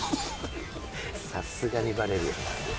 さすがにバレるよな。